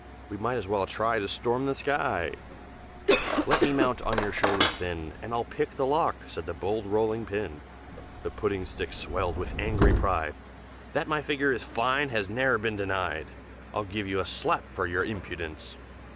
We might as well try to storm the sky!" "Let me mount on your shoulder thin, And I'll pick the lock!" said the bold Rolling pin. The Pudding stick swelled with angry pride, "That my figure is fine has ne'er been denied, I'll give you a slap for your impudence!"